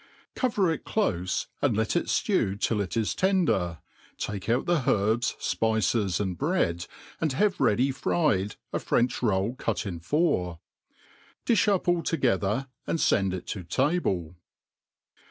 Cover it clofe, and let it ftew till it is tender; takeout this herbs, fpices, and bread, and have ready fried a French roll cut in four, Di(h m> all together, and fend }Z to table.